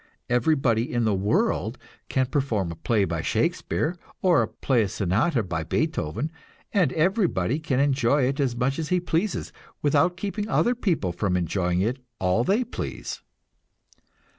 Everybody in the world can perform a play by Shakespeare, or play a sonata by Beethoven, and everybody can enjoy it as much as he pleases without keeping other people from enjoying it all they please.